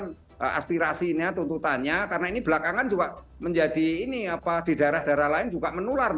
jadi harus menyalurkan aspirasinya tuntutannya karena ini belakangan juga menjadi ini apa di daerah daerah lain juga menular